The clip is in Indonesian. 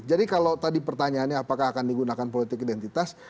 jadi kalau tadi pertanyaannya apakah akan digunakan politik identitas